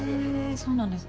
そうなんですね。